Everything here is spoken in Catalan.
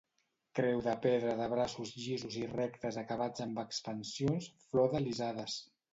Creu de pedra de braços llisos i rectes acabats amb expansions flordelisades.